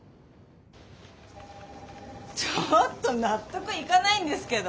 ちょっと納得いかないんですけど。